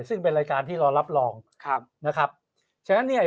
ซึ่งเป็นรายการที่รอรับรองครับนะครับฉะนั้นเนี่ย